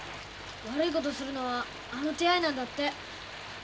悪い事するのはあの手合いなんだって。